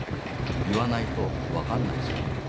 言わないとわかんないぞって。